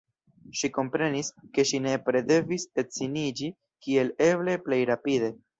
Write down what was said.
Ŝi komprenis, ke ŝi nepre devis edziniĝi kiel eble plej rapide.